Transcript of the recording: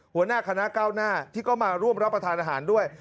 หัวหน้าคณะเก้าหน้าที่ก็มาร่วมรับประทานอาหารด้วย